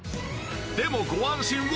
でもご安心を！